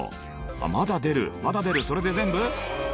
あっまだ出るまだ出るそれで全部？